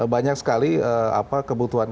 banyak sekali kebutuhan